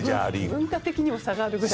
文化的にも差があるからね。